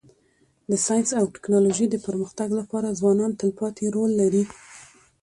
د ساینس او ټکنالوژی د پرمختګ لپاره ځوانان تلپاتي رول لري.